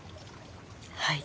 はい。